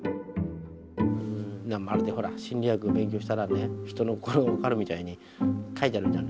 まるでほら心理学を勉強したらね人の心分かるみたいに書いてあるじゃない。